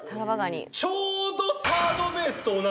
ちょうど。